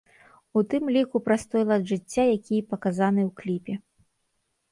У тым ліку праз той лад жыцця, які і паказаны ў кліпе.